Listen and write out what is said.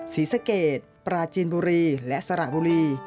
ศรีสะเกดปราจีนบุรีและสระบุรี